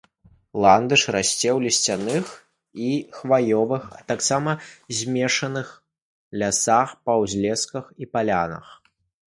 Ландыш расце ў лісцяных і хваёвых, а таксама змешаных лясах, па ўзлесках і палянах.